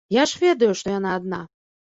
Я ж ведаю, што яна адна.